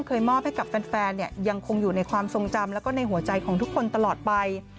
มอบให้กับแฟนยังคงอยู่ในความทรงจำแล้วก็ในหัวใจของทุกคนตลอดไป